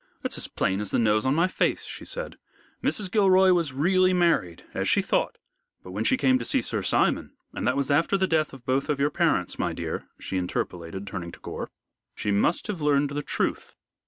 "It's as plain as the nose on my face," she said. "Mrs. Gilroy was really married as she thought, but when she came to see Sir Simon and that was after the death of both of your parents, my dear," she interpolated, turning to Gore, "she must have learned the truth.